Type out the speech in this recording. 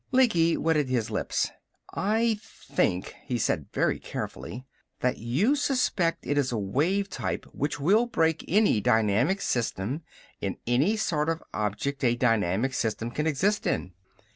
Lecky wetted his lips. "I think," he said very carefully, "that you suspect it is a wave type which will break any dynamic system, in any sort of object a dynamic system can exist in."